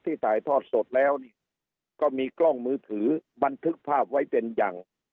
ถ่ายทอดสดแล้วก็มีกล้องมือถือบันทึกภาพไว้เป็นอย่าง